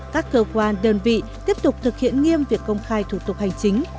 các cơ quan đơn vị tiếp tục thực hiện nghiêm việc công khai thủ tục hành chính